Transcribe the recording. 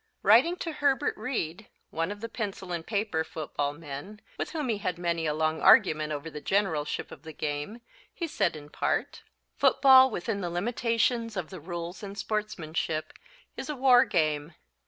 Writing to Herbert Reed, one of the pencil and paper football men, with whom he had had many a long argument over the generalship of the game, he said in part: "Football within the limitations of the rules and sportsmanship is a war game.